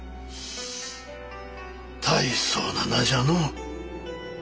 大層な名じゃのう。